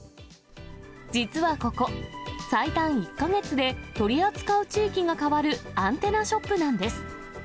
実はここ、最短１か月で取り扱う地域が変わるアンテナショップなんです。